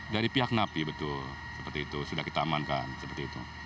dari pihak napi betul seperti itu sudah kita amankan seperti itu